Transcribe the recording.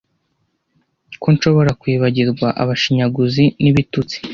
Ko nshobora kwibagirwa abashinyaguzi n'ibitutsi!